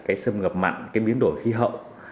cái sâm ngập mặn cái biến đổi khí hậu